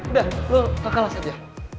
udah lu ke kelas aja